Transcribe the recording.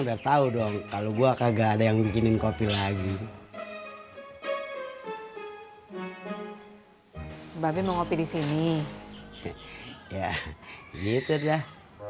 udah tahu dong kalau gue kagak ada yang bikinin kopi lagi babi mau kopi di sini ya gitu deh